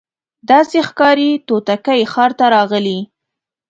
داسي ښکاري توتکۍ ښار ته راغلې